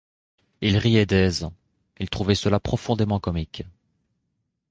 Il riait d’aise, il trouvait cela profondément comique.